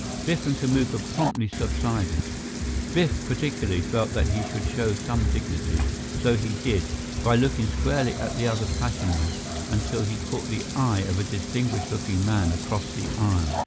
Biff and Kamuka promptly subsided. Biff, particularly, felt that he should show some dignity, so he did, by looking squarely at the other passengers, until he caught the eye of a distinguished looking man across the aisle.